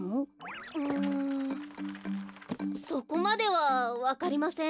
うんそこまではわかりません。